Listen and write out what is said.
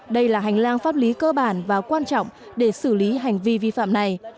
đây là hành lang pháp lý cơ bản và quan trọng để xử lý hành vi vi phạm này